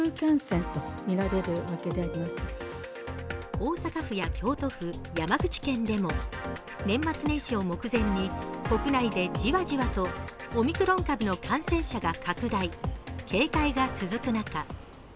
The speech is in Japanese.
大阪府や京都府、山口県でも年末年始を目前に国内でじわじわとオミクロン株の感染者が拡大、警戒が続く中